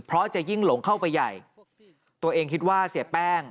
เพราะจะยิ่งหลงเข้าไปใหญ่ตัวเองคิดว่าเสียแป้ง